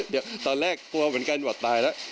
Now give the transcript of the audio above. เดี๋ยวตอนแรกกลัวเหมือนกันหวัดตายแล้ว